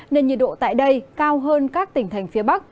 nên nhiệt độ tại đây cao hơn các tỉnh thành phía bắc